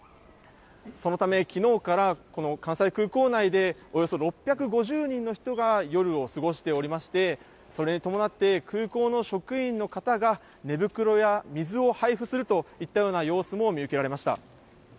そのため、きのうからこの関西空港内で、およそ６５０人の人が夜を過ごしておりまして、それに伴って、空港の職員の方が寝袋や水を配布するといったような様子も見受けられました。